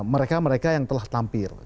mereka mereka yang telah tampil